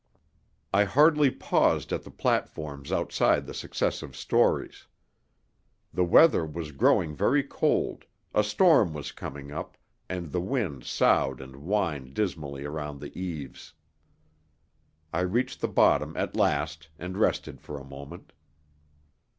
I hardly paused at the platforms outside the successive stories. The weather was growing very cold, a storm was coming up, and the wind soughed and whined dismally around the eaves. I reached the bottom at last and rested for a moment.